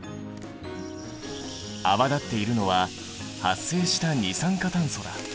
泡立っているのは発生した二酸化炭素だ。